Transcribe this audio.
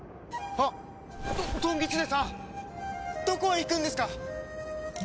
どこへ行くんですか！